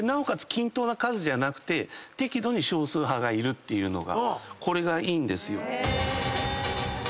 均等な数じゃなくて適度に少数派がいるっていうのがこれがいいんですよ。